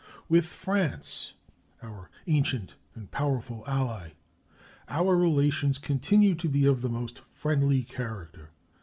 With France, our ancient and powerful ally, our relations continue to be of the most friendly character.